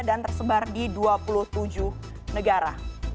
dan tersebar di dua puluh tujuh negara